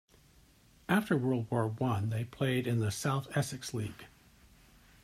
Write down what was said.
After World War One they played in the South Essex League.